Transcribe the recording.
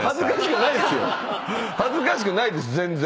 恥ずかしくないです全然。